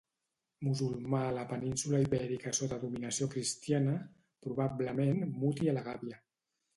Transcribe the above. Musulmà a la península Ibèrica sota dominació cristiana, probablement mut i a la gàbia.